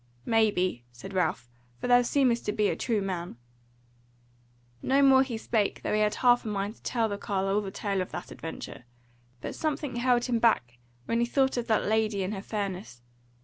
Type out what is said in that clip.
"Maybe," said Ralph, "for thou seemest to be a true man." No more he spake though he had half a mind to tell the carle all the tale of that adventure; but something held him back when he thought of that lady and her fairness.